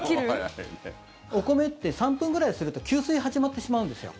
お米って３分くらいすると吸水始まってしまうんですよ。